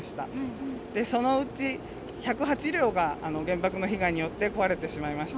そのうち１０８両が原爆の被害によって壊れてしまいました。